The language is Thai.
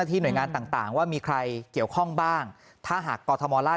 หน้าที่หน่วยงานต่างว่ามีใครเกี่ยวข้องบ้างถ้าหากกล้า